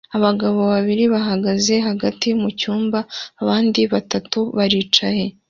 Abagabo babiri bahagaze hagati mucyumba; abandi batatu baricaye